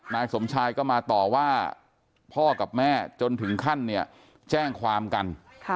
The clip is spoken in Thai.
นายสมชายก็มาต่อว่าพ่อกับแม่จนถึงขั้นเนี่ยแจ้งความกัน